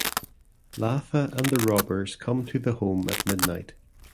Latha and the robbers come to the home at midnight.